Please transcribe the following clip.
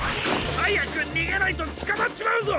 はやくにげないとつかまっちまうぞ！